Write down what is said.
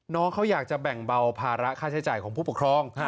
น้องเขาอยากจะแบ่งเบาภาระค่าใช้จ่ายของผู้ปกครอง